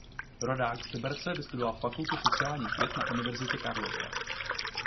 Rodák z Liberce vystudoval Fakultu sociálních věd na Univerzitě Karlově.